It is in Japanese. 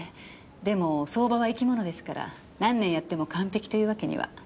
でも相場は生き物ですから何年やっても完璧というわけには。